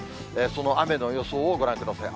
その雨の予想をご覧ください。